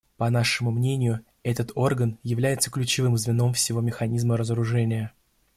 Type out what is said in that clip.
По нашему мнению, этот орган является ключевым звеном всего механизма разоружения.